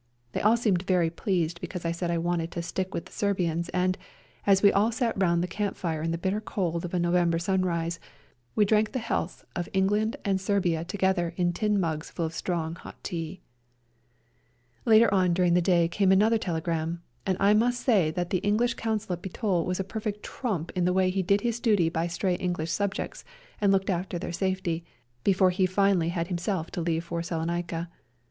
They all seemed very pleased because I said I wanted to stick with the Serbians, and, as we all sat round the camp fire in the bitter cold of a November sunrise, we drank the healths of England and Serbia together in tin mugs full of strong, hot tea. 30 A SERBIAN AMBULANCE Later on during the day came another telegram, and I must say that the EngHsh Consul at Bitol was a perfect trump in the way he did his duty by stray English subjects and looked after their safety, before he finally had himself to leave for Salonica.